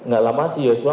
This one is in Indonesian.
gak lama si joshua